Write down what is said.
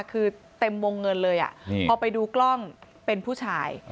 คือเต็มวงเงินเลยพอไปดูกล้องเป็นผู้ชาย